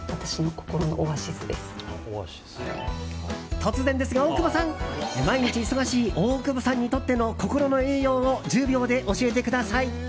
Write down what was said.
突然ですが、大久保さん毎日忙しい大久保さんにとっての心の栄養を１０秒で教えてください。